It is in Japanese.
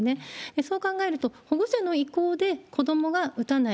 そう考えると、保護者の意向で子どもが打たない。